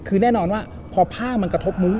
คือแน่นอนว่าพอผ้ามันกระทบมือ